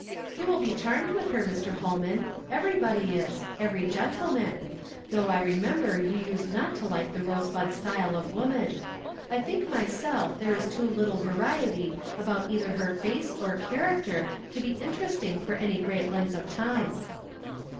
You will be charmed \\ith her, Mr. Ilolman, everybody is, every gentleman; though I remend)er you used not to like the rose bud style of woman. 1 think myself there is too little variety about either her face or character to be interesting for any great length of time."